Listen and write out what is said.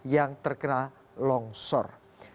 yang terkena longsor